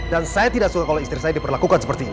dan saya tidak suka kalau istri saya diperlakukan seperti ini